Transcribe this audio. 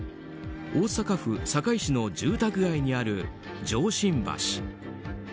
大阪府堺市の住宅街にある上神橋。